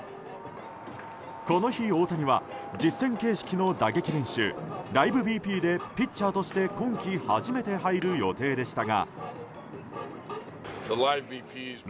この日、大谷は実戦形式の打撃練習ライブＢＰでピッチャーとして今季初めて入る予定でしたが。